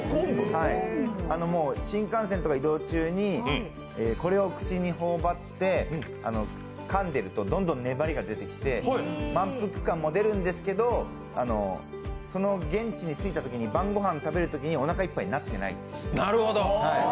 新幹線とか移動中にこれを口に頬張ってかんでると、どんどん粘りが出てきて満腹感も出るんですけどその現地に着いたときに晩ご飯食べるときにおなかいっぱいになってないんです。